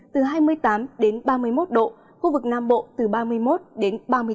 từ hai mươi tám đến ba mươi một độ khu vực nam bộ từ ba mươi một đến ba mươi bốn độ